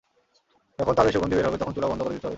যখন তালের সুগন্ধি বের হবে, তখন চুলা বন্ধ করে দিতে হবে।